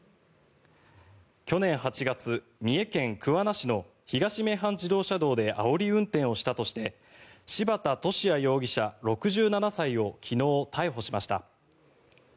去年８月、三重県桑名市の東名阪自動車道であおり運転をしたとして柴田敏也容疑者、６７歳を昨日、逮捕しました。